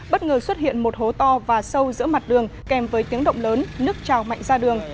bất ngờ xuất hiện một hố to và sâu giữa mặt đường kèm với tiếng động lớn nước trào mạnh ra đường